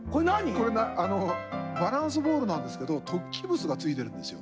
これバランスボールなんですけど突起物がついてるんですよ。